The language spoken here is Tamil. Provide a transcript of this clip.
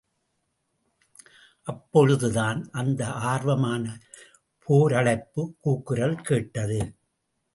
அப்பொழுதுதான் அந்த ஆர்வமான போரழைப்பு கூக்குரல் கேட்டது.